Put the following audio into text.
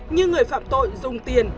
như người phạm tội dùng tiền